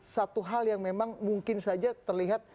satu hal yang memang mungkin saja terlihat